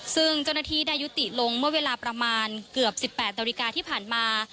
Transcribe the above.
ซึ่งเจ้าหน้าที่ได้ยุติลงเมื่อเวลาประมาณเกือบ๑๘นาฬิกาที่ผ่านมา